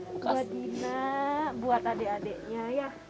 buat gina buat adik adiknya ya